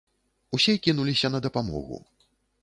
Усе кінуліся на дапамогу.